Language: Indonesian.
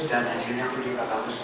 dan hasilnya juga bagus